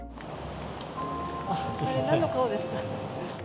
あれ、なんの顔ですか？